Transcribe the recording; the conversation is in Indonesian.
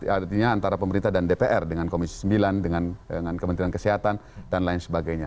artinya antara pemerintah dan dpr dengan komisi sembilan dengan kementerian kesehatan dan lain sebagainya